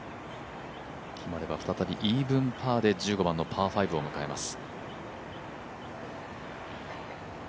決まれば再びイーブンパーで１５番のパー５を迎えます。